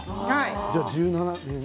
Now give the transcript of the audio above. じゃあ１７年？